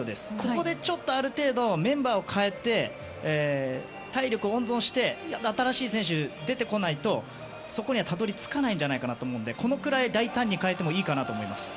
ここでちょっとある程度メンバーを代えて体力を温存して新しい選手、出てこないとそこにはたどり着かないんじゃないかなと思うのでこのくらい大胆に代えてもいいかなと思います。